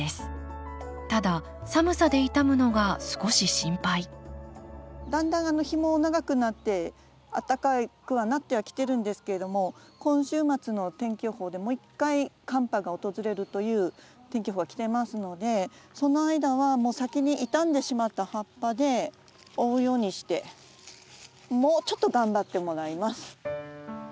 ただ寒さで傷むのが少し心配だんだん日も長くなってあったかくはなってはきてるんですけれども今週末の天気予報でもう一回寒波がおとずれるという天気予報はきてますのでその間は先に傷んでしまった葉っぱで覆うようにしてもうちょっと頑張ってもらいます。